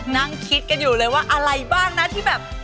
นั่งคิดกันอยู่เลยว่าอะไรบ้างนะที่แบบ